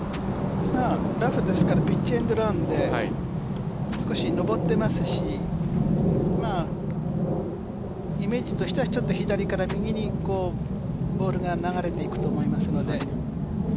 ラフですからピッチエンドランで上ってますしイメージとしては左から右にボールが流れていくと思いますので。